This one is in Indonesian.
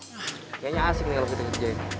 kayaknya asing nih kalau kita kerjain